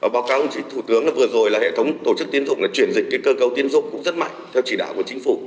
báo cáo của thủ tướng vừa rồi là hệ thống tổ chức tiến dụng là chuyển dịch cơ cấu tiến dụng cũng rất mạnh theo chỉ đạo của chính phủ